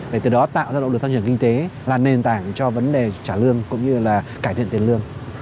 để từ đó tạo ra động lực tăng trưởng kinh tế là nền tảng cho vấn đề trả lương cũng như là cải thiện tiền lương